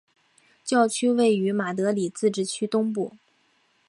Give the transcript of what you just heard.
教区位于马德里自治区东部。